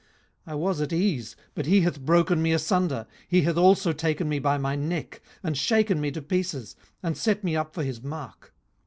18:016:012 I was at ease, but he hath broken me asunder: he hath also taken me by my neck, and shaken me to pieces, and set me up for his mark.